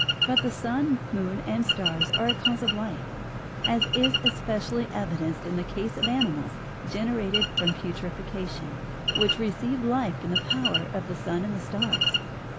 But the sun, moon, and stars are a cause of life, as is especially evidenced in the case of animals generated from putrefaction, which receive life from the power of the sun and stars.